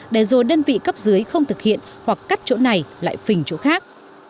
để rồi đơn vị cấp dưới không thực hiện hoặc cắt chỗ này lại phình chỗ khác